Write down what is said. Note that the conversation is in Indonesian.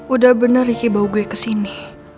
udah bener ricky bawa gue kesini